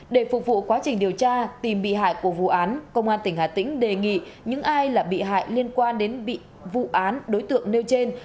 để phục vụ quá trình điều tra tìm bị hại của vụ án công an tỉnh hà tĩnh đề nghị những ai là bị hại liên quan đến vụ án đối tượng nêu trên